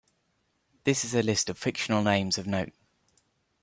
This is a list of fictional names of note.